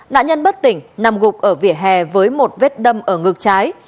nạn nhân bất tỉnh nằm gục ở vỉa hè với một vết đâm ở ngược trái